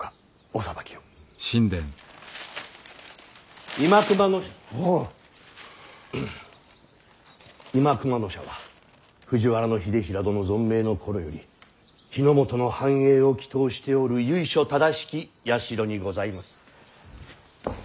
新熊野社は藤原秀衡殿存命の頃より日本の繁栄を祈とうしておる由緒正しき社にございます。